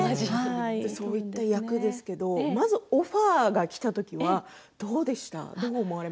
そういった役ですけれどもまずオファーがきた時はどうでしたか？